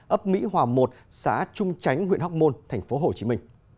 ấp mỹ hòa một xã trung chánh huyện hóc môn tp hcm